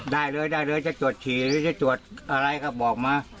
ได้เลยจะตรวจฉี่จะตรวจอะไรบอกมา